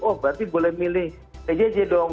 oh berarti boleh milih pjj dong